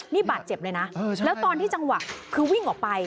นี่บาดเจ็บเลยนะแล้วตอนที่จังหวะคือวิ่งออกไป